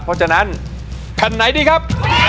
เพราะฉะนั้นแผ่นไหนดีครับ